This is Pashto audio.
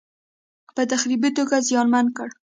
په تخریبي توګه زیانمن کړ.